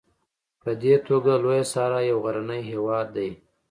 په دې توګه لویه صحرا یو غرنی هېواد دی.